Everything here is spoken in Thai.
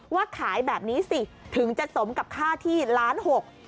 ว่าขายแบบนี้สิถึงจะสมกับค่าที่ล้านหก